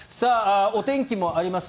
お天気もあります。